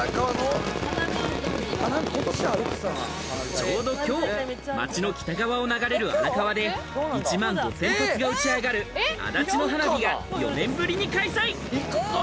ちょうどきょう、街の北側を流れる荒川で１万５０００発が打ち上がる足立の花火が４年ぶりに開催。